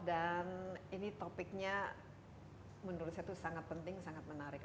dan ini topiknya menurut saya itu sangat penting sangat menarik